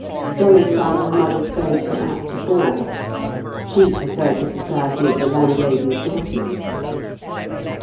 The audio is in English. Dolly found her mother's friends were apt to bore her; she preferred the society of the landlady's daughters.